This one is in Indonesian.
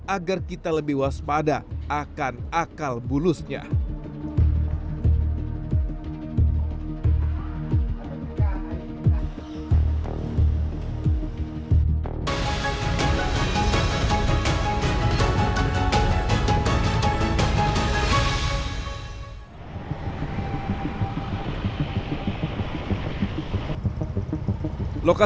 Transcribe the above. agar kita lebih waspada akan akal bulusnya